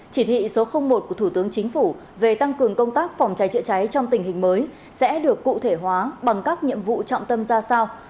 chỉ thị số một của thủ tướng chính phủ về tăng cường công tác phòng cháy chữa cháy trong tình hình mới sẽ được cụ thể hóa bằng các nhiệm vụ trọng tâm ra sao